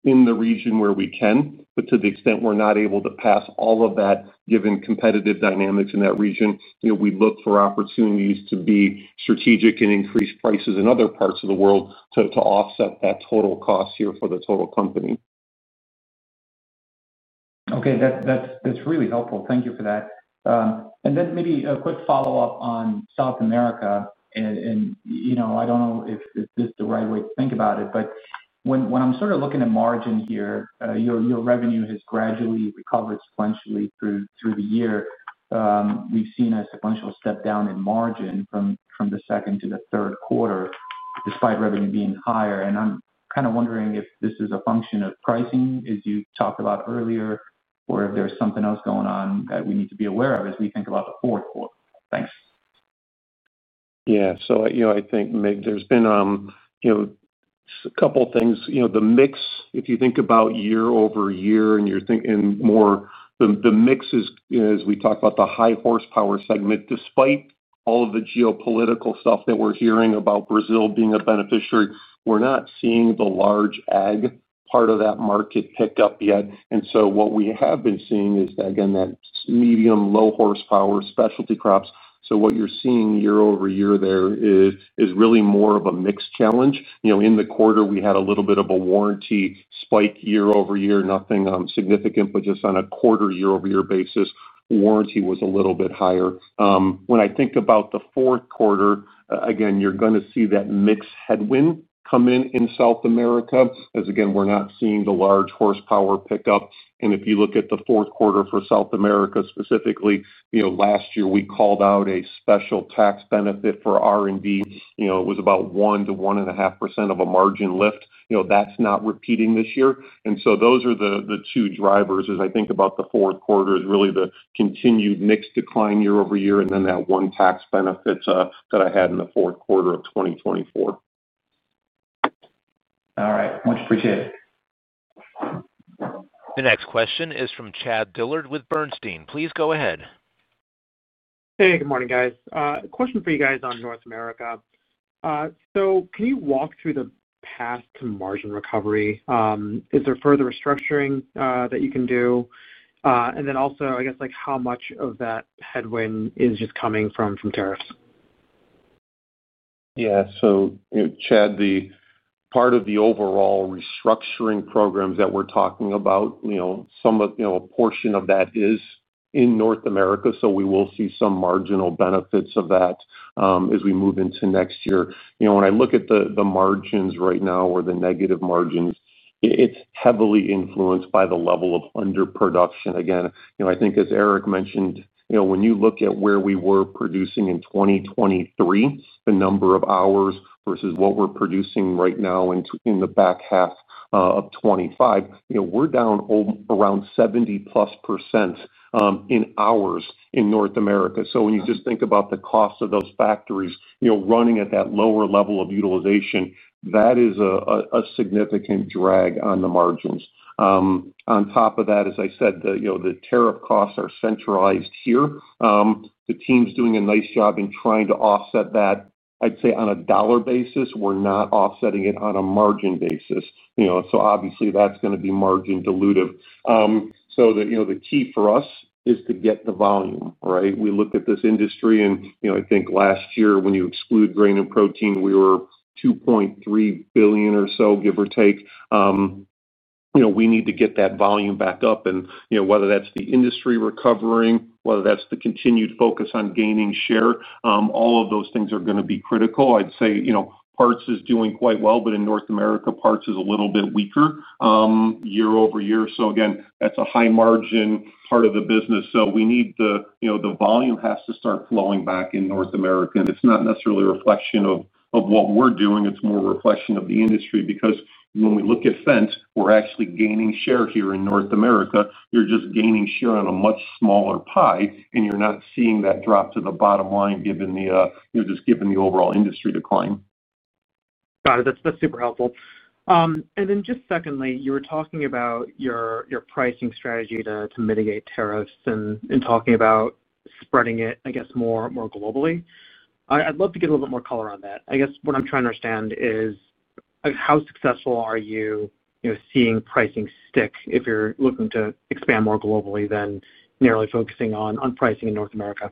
in the region where we can. To the extent we're not able to pass all of that, given competitive dynamics in that region, we look for opportunities to be strategic and increase prices in other parts of the world to offset that total cost here for the total company. Okay. That's really helpful. Thank you for that. Maybe a quick follow-up on South America. I don't know if this is the right way to think about it, but when I'm sort of looking at margin here, your revenue has gradually recovered sequentially through the year. We've seen a sequential step down in margin from the second to the third quarter, despite revenue being higher. I'm kind of wondering if this is a function of pricing, as you talked about earlier, or if there's something else going on that we need to be aware of as we think about the fourth quarter. Thanks. Yeah. I think, Mig, there's been a couple of things. The mix, if you think about year-over-year and you're thinking more, the mix, as we talked about, the high horsepower segment, despite all of the geopolitical stuff that we're hearing about Brazil being a beneficiary, we're not seeing the large ag part of that market pick up yet. What we have been seeing is that medium-low horsepower specialty crops. What you're seeing year-over-year there is really more of a mix challenge. In the quarter, we had a little bit of a warranty spike year-over-year, nothing significant, but just on a quarter-year-over-year basis, warranty was a little bit higher. When I think about the fourth quarter, again, you're going to see that mixed headwind come in in South America. Again, we're not seeing the large horsepower pick up. If you look at the fourth quarter for South America specifically, last year, we called out a special tax benefit for R&D. It was about 1%-1.5% of a margin lift. That's not repeating this year. Those are the two drivers, as I think about the fourth quarter, really the continued mixed decline year-over-year and then that one tax benefit that I had in the fourth quarter of 2024. All right. Much appreciated. The next question is from Chad Dillard with Bernstein. Please go ahead. Hey, good morning, guys. Question for you guys on North America. Can you walk through the path to margin recovery? Is there further restructuring that you can do? Also, I guess, how much of that headwind is just coming from tariffs? Yeah. Chad, part of the overall restructuring programs that we're talking about, a portion of that is in North America, so we will see some marginal benefits of that as we move into next year. When I look at the margins right now or the negative margins, it's heavily influenced by the level of underproduction. I think, as Eric mentioned, when you look at where we were producing in 2023, the number of hours versus what we're producing right now in the back half of 2025, we're down around 70%+ in hours in North America. When you just think about the cost of those factories running at that lower level of utilization, that is a significant drag on the margins. On top of that, as I said, the tariff costs are centralized here. The team's doing a nice job in trying to offset that. I'd say on a dollar basis, we're not offsetting it on a margin basis. Obviously, that's going to be margin-dilutive. The key for us is to get the volume, right? We look at this industry, and I think last year, when you exclude grain and protein, we were $2.3 billion or so, give or take. We need to get that volume back up. Whether that's the industry recovering, whether that's the continued focus on gaining share, all of those things are going to be critical. I'd say parts is doing quite well, but in North America, parts is a little bit weaker year-over-year. That's a high-margin part of the business. We need the volume to start flowing back in North America. It's not necessarily a reflection of what we're doing. It's more a reflection of the industry because when we look at Fendt, we're actually gaining share here in North America. You're just gaining share on a much smaller pie, and you're not seeing that drop to the bottom line given the overall industry decline. That's super helpful. Secondly, you were talking about your pricing strategy to mitigate tariffs and talking about spreading it more globally. I'd love to get a little bit more color on that. What I'm trying to understand is how successful are you seeing pricing stick if you're looking to expand more globally than narrowly focusing on pricing in North America?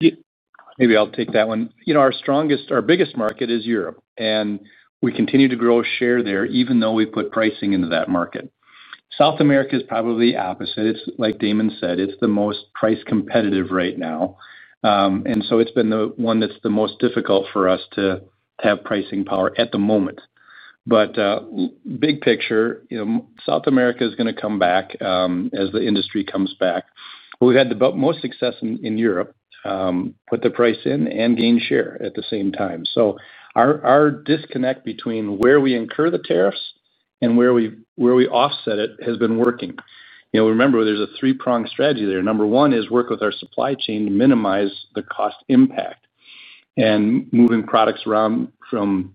Maybe I'll take that one. Our biggest market is Europe, and we continue to grow share there even though we put pricing into that market. South America is probably the opposite. It's like Damon said, it's the most price-competitive right now, and it's been the one that's the most difficult for us to have pricing power at the moment. Big picture, South America is going to come back as the industry comes back. We've had the most success in Europe. Put the price in and gain share at the same time. Our disconnect between where we incur the tariffs and where we offset it has been working. Remember, there's a three-pronged strategy there. Number one is work with our supply chain to minimize the cost impact. Moving products from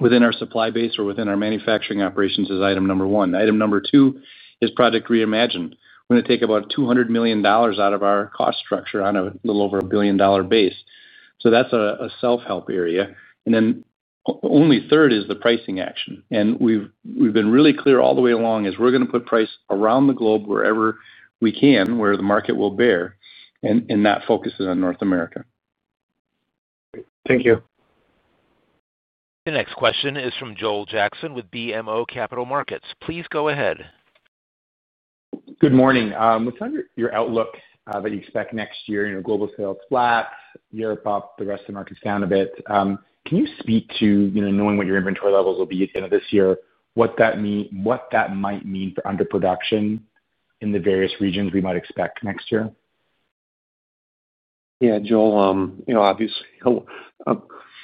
within our supply base or within our manufacturing operations is item number one. Item number two is Project Reimagine. We're going to take about $200 million out of our cost structure on a little over a $1 billion base. That's a self-help area. Only third is the pricing action. We've been really clear all the way along as we're going to put price around the globe wherever we can, where the market will bear. That focus is on North America. Thank you. The next question is from Joel Jackson with BMO Capital Markets. Please go ahead. Good morning. What's your outlook that you expect next year? Global sales flat, Europe up, the rest of the markets down a bit. Can you speak to, knowing what your inventory levels will be at the end of this year, what that might mean for underproduction in the various regions we might expect next year? Yeah, Joel, obviously.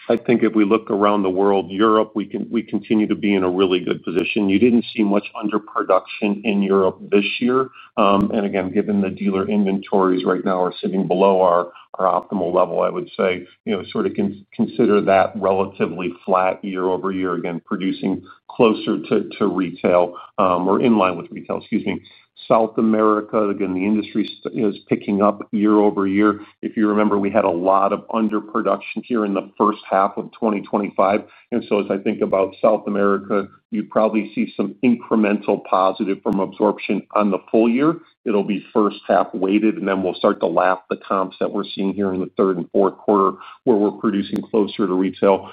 I think if we look around the world, Europe, we continue to be in a really good position. You didn't see much underproduction in Europe this year. Given the dealer inventories right now are sitting below our optimal level, I would say sort of consider that relatively flat year over year, producing closer to retail or in line with retail, excuse me. South America, the industry is picking up year over year. If you remember, we had a lot of underproduction here in the first half of 2025. As I think about South America, you'd probably see some incremental positive from absorption on the full year. It'll be first half weighted, and then we'll start to lap the comps that we're seeing here in the third and fourth quarter where we're producing closer to retail.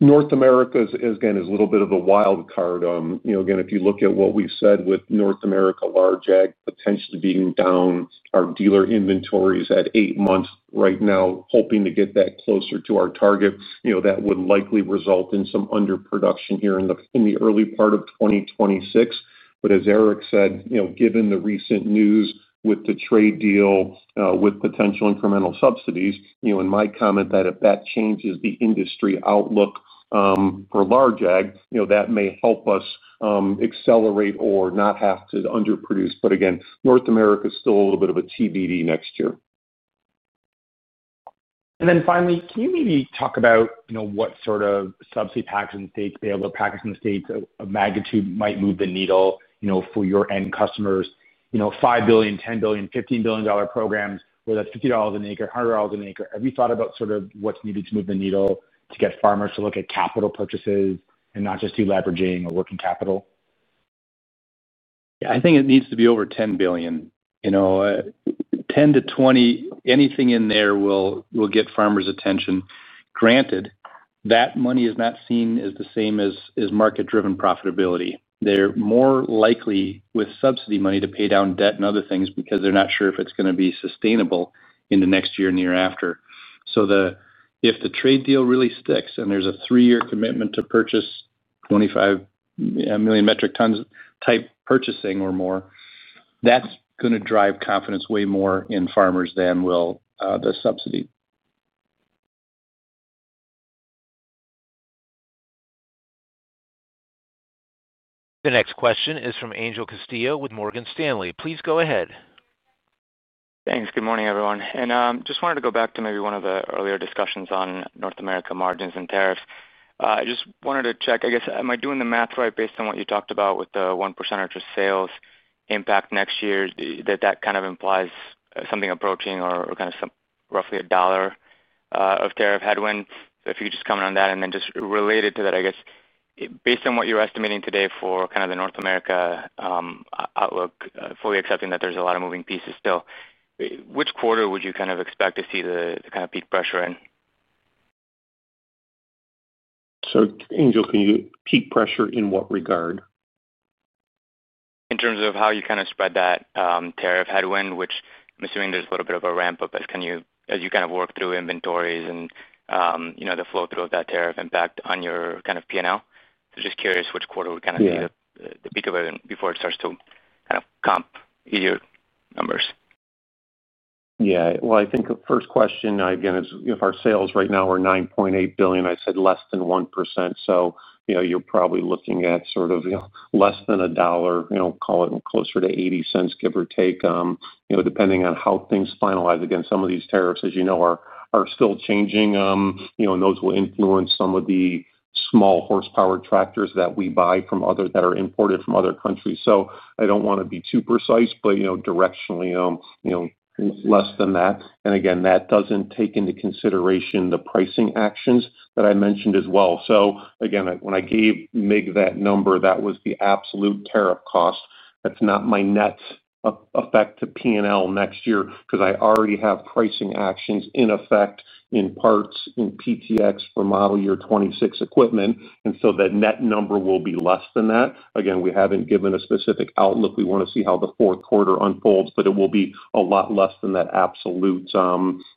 North America is a little bit of the wild card. If you look at what we've said with North America, large ag potentially being down, our dealer inventories at eight months right now, hoping to get that closer to our target, that would likely result in some underproduction here in the early part of 2026. As Eric said, given the recent news with the trade deal with potential incremental subsidies, and my comment that if that changes the industry outlook for large ag, that may help us accelerate or not have to underproduce. North America is still a little bit of a [TBD] next year. Finally, can you maybe talk about what sort of subsidy packs in the states, payable packs in the states, of magnitude might move the needle for your end customers? $5 billion, $10 billion, $15 billion programs, whether that's $50 an acre, $100 an acre. Have you thought about sort of what's needed to move the needle to get farmers to look at capital purchases and not just do leveraging or working capital? Yeah, I think it needs to be over $10 billion. $10 billion-$20 billion, anything in there will get farmers' attention. Granted, that money is not seen as the same as market-driven profitability. They're more likely with subsidy money to pay down debt and other things because they're not sure if it's going to be sustainable in the next year and year after. If the trade deal really sticks and there's a three-year commitment to purchase 25 million metric tons type purchasing or more, that's going to drive confidence way more in farmers than will the subsidy. The next question is from Angel Castillo with Morgan Stanley. Please go ahead. Thanks. Good morning, everyone. I just wanted to go back to maybe one of the earlier discussions on North America margins and tariffs. I just wanted to check, am I doing the math right based on what you talked about with the 1% or 2% sales impact next year, that that kind of implies something approaching or roughly a dollar of tariff headwind? If you could just comment on that and then just relate it to that, based on what you're estimating today for kind of the North America outlook, fully accepting that there's a lot of moving pieces still, which quarter would you expect to see the peak pressure in? Angel, can you clarify peak pressure in what regard? In terms of how you spread that tariff headwind, which I'm assuming there's a little bit of a ramp-up as you work through inventories and the flow-through of that tariff impact on your P&L. I'm just curious which quarter would be the peak of it before it starts to comp your numbers. If our sales right now are $9.8 billion, I said less than 1%. You're probably looking at less than a dollar, call it closer to $0.80, give or take, depending on how things finalize. Some of these tariffs, as you know, are still changing, and those will influence some of the small horsepower tractors that we buy that are imported from other countries. I don't want to be too precise, but directionally, less than that. That doesn't take into consideration the pricing actions that I mentioned as well. When I gave Mig that number, that was the absolute tariff cost. That's not my net effect to P&L next year because I already have pricing actions in effect in parts in PTx for model year 2026 equipment. The net number will be less than that. We haven't given a specific outlook. We want to see how the fourth quarter unfolds, but it will be a lot less than that absolute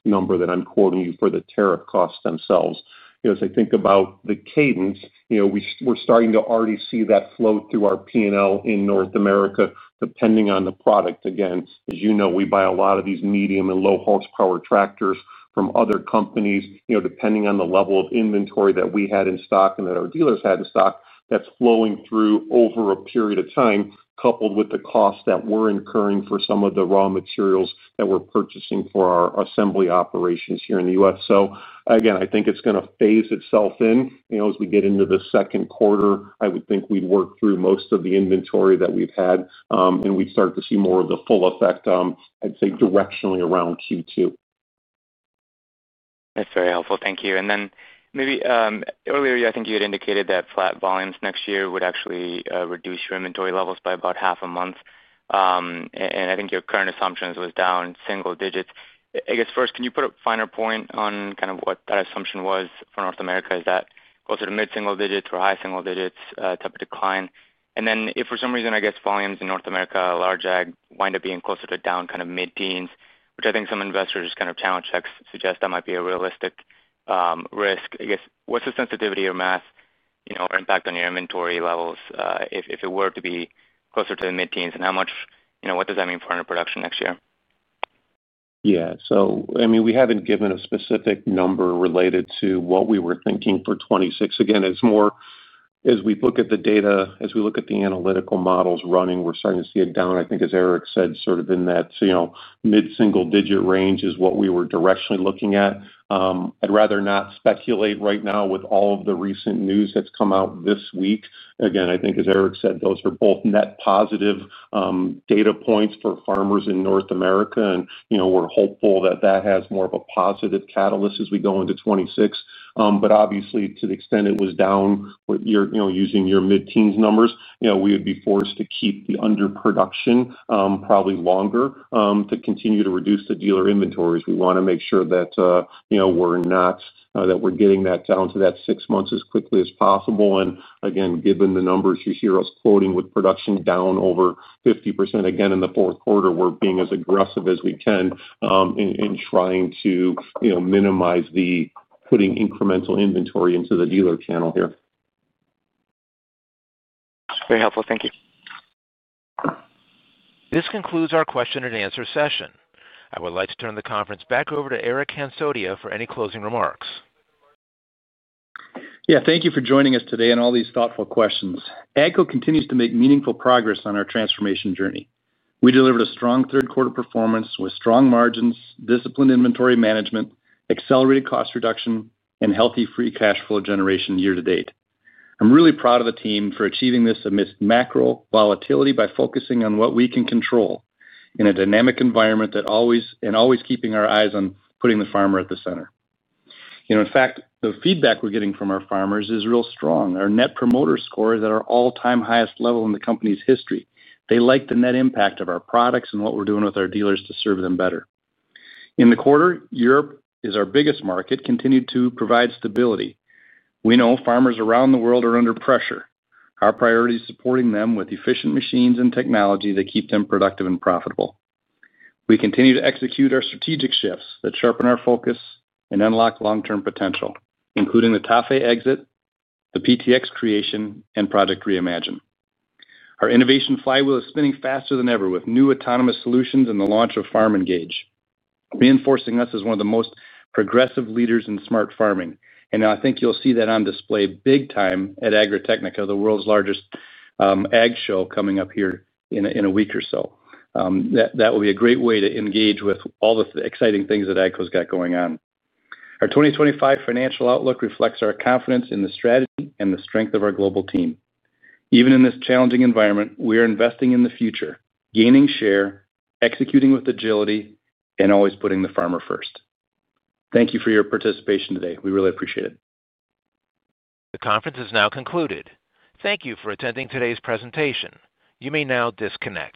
number that I'm quoting you for the tariff costs themselves. As I think about the cadence, we're starting to already see that flow through our P&L in North America, depending on the product. As you know, we buy a lot of these medium and low horsepower tractors from other companies. Depending on the level of inventory that we had in stock and that our dealers had in stock, that's flowing through over a period of time, coupled with the costs that we're incurring for some of the raw materials that we're purchasing for our assembly operations here in the U.S. I think it's going to phase itself in. As we get into the second quarter, I would think we'd work through most of the inventory that we've had, and we'd start to see more of the full effect, I'd say, directionally around Q2. That's very helpful. Thank you. Maybe earlier, I think you had indicated that flat volumes next year would actually reduce your inventory levels by about half a month. I think your current assumption was down single digits. First, can you put a finer point on kind of what that assumption was for North America? Is that closer to mid-single digits or high single digits type of decline? If for some reason, volumes in North America, large ag, wind up being closer to down kind of mid-teens, which I think some investors' channel checks suggest that might be a realistic risk, what's the sensitivity or math or impact on your inventory levels if it were to be closer to the mid-teens? What does that mean for underproduction next year? We haven't given a specific number related to what we were thinking for 2026. As we look at the data, as we look at the analytical models running, we're starting to see it down. I think, as Eric said, sort of in that mid-single digit range is what we were directionally looking at. I'd rather not speculate right now with all of the recent news that's come out this week. I think, as Eric said, those are both net positive data points for farmers in North America, and we're hopeful that that has more of a positive catalyst as we go into 2026. Obviously, to the extent it was down, using your mid-teens numbers, we would be forced to keep the underproduction probably longer to continue to reduce the dealer inventories. We want to make sure that we're getting that down to that six months as quickly as possible. Given the numbers you hear us quoting with production down over 50% in the fourth quarter, we're being as aggressive as we can in trying to minimize the putting incremental inventory into the dealer channel here. Very helpful. Thank you. This concludes our question and answer session. I would like to turn the conference back over to Eric Hansotia for any closing remarks. Thank you for joining us today and all these thoughtful questions. AGCO continues to make meaningful progress on our transformation journey. We delivered a strong third-quarter performance with strong margins, disciplined inventory management, accelerated cost reduction, and healthy free cash flow generation year to date. I'm really proud of the team for achieving this amidst macro volatility by focusing on what we can control in a dynamic environment and always keeping our eyes on putting the farmer at the center. In fact, the feedback we're getting from our farmers is real strong. Our net promoter scores are at our all-time highest level in the company's history. They like the net impact of our products and what we're doing with our dealers to serve them better. In the quarter, Europe is our biggest market, continued to provide stability. We know farmers around the world are under pressure. Our priority is supporting them with efficient machines and technology that keep them productive and profitable. We continue to execute our strategic shifts that sharpen our focus and unlock long-term potential, including the TAFE exit, the PTx creation, and Project Reimagine. Our innovation flywheel is spinning faster than ever with new autonomous solutions and the launch of FarmENGAGE, reinforcing us as one of the most progressive leaders in smart farming. I think you'll see that on display big time at Agritechnica, the world's largest ag show coming up here in a week or so. That will be a great way to engage with all the exciting things that AGCO's got going on. Our 2025 financial outlook reflects our confidence in the strategy and the strength of our global team. Even in this challenging environment, we are investing in the future, gaining share, executing with agility, and always putting the farmer first. Thank you for your participation today. We really appreciate it. The conference is now concluded. Thank you for attending today's presentation. You may now disconnect.